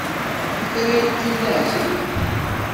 Akka ara yeqqim d aεezri?